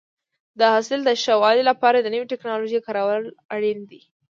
د حاصل د ښه والي لپاره د نوې ټکنالوژۍ کارول اړین دي.